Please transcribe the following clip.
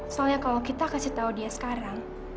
soalnya kalau kita kasih tahu dia sekarang